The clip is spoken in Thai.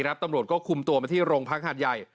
ตำรวจก็คุมตัวมาที่โรงพักหาดใหญ่